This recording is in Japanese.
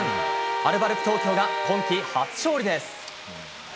アルバルク東京が今季初勝利です。